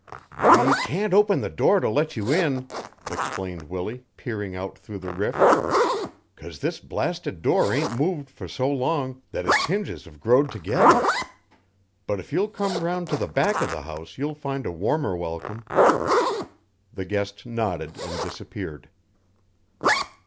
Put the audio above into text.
"We can't open the door to let you in," explained Willie, peering out through the rift, "'cause this blasted door ain't moved fur so long that its hinges have growed together; but if you'll come round to the back of the house you'll find a warmer welcome." The guest nodded and disappeared.